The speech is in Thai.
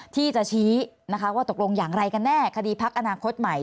ที่จะชี้นะคะว่าตกลงอย่างไรกันแน่คดีพักอนาคตใหม่